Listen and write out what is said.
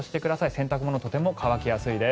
洗濯物、とても乾きやすいです。